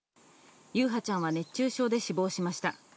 優陽ちゃんは熱中症で死亡しました。